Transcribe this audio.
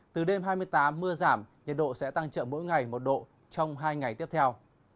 từ đêm hai mươi tám mưa giảm nhiệt độ sẽ tăng chậm mỗi ngày một độ trong hai ngày tiếp theo